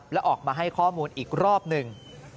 และออกมาให้ข้อมูลอีกรอบหนึ่ง